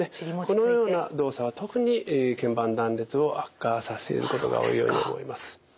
このような動作は特にけん板断裂を悪化させることが多いように思います。